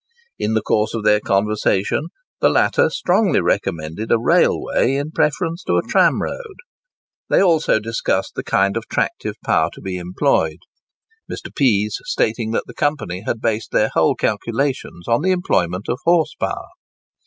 In the course of their conversation, the latter strongly recommended a railway in preference to a tramroad. They also discussed the kind of tractive power to be employed: Mr. Pease stating that the company had based their whole calculations on the employment of horse power.